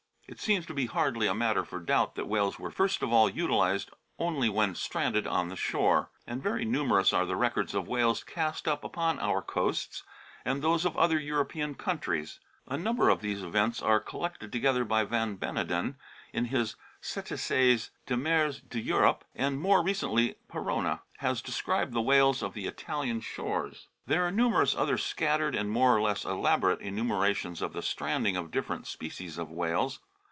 It seems to be hardly a matter for doubt that whales were first of all utilised only when stranded on the shore. And very numerous are the records of whales cast up upon our coasts and those of other European countries. A number of these events are collected together by van Beneden, in his Cttac^es des Mers d' Europe, and more recently Paronat has described the whales of the Italian shores. There are numerous other scattered, and more or less elaborate, enumerations of the stranding of different species of whales.